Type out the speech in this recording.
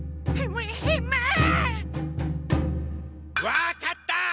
分かった！